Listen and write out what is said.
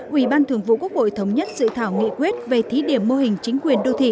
ủy ban thường vụ quốc hội thống nhất dự thảo nghị quyết về thí điểm mô hình chính quyền đô thị